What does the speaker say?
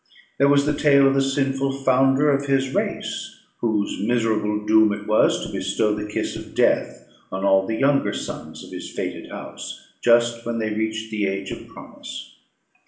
There was the tale of the sinful founder of his race, whose miserable doom it was to bestow the kiss of death on all the younger sons of his fated house, just when they reached the age of promise.